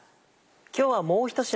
今日はもう一品